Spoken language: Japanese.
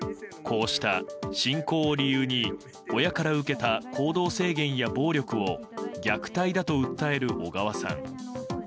こうした信仰を理由に親から受けた行動制限や暴力を虐待だと訴える小川さん。